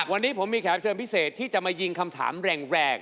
วันนี้ผมมีแขกเชิญพิเศษที่จะมายิงคำถามแรง